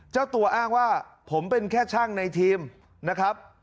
เจ้าตัวอ้างว่าผมเป็นแค่ช่างในทีมนะครับ